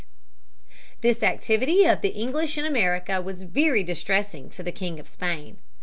This activity of the English in America was very distressing to the King of Spain.